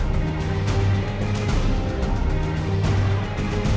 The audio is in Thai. โปรดติดตามต่อไป